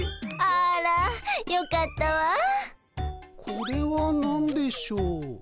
これは何でしょう？